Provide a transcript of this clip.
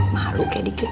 malu kayak dikit